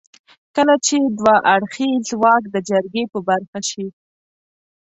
کله چې دوه اړخيز واک د جرګې په برخه شي.